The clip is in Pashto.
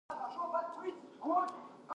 د ده مضمون له نورو شاعرانو بېل دی.